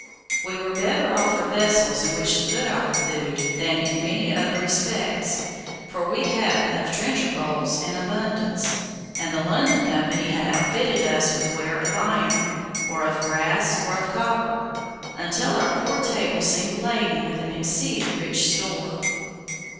We were better off for vessels in which to put our food, than in many other respects, for we had of trencher bowls an abundance, and the London Company had outfitted us with ware of iron, or of brass, or of copper, until our poor table seemed laden with an exceeding rich store.